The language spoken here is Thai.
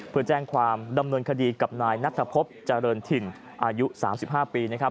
เพื่อแจ้งความดำเนินคดีกับนายนัทพบเจริญถิ่นอายุ๓๕ปีนะครับ